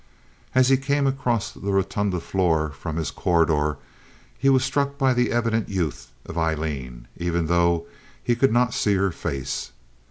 As he came across the rotunda floor from his corridor he was struck by the evident youth of Aileen, even though he could not see her face.